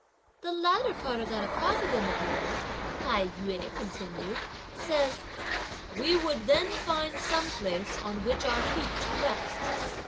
"The latter part of that apothegm of yours," Tai yü continued, "says: "We would then find some place on which our feet to rest.